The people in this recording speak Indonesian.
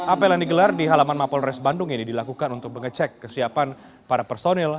apel yang digelar di halaman mapolres bandung ini dilakukan untuk mengecek kesiapan para personil